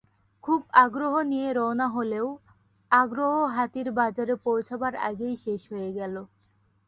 খুব আগ্রহ নিয়ে রওনা হলেও আগ্রহ হাতির বাজারে পৌঁছবার আগেই শেষ হয়ে গেল।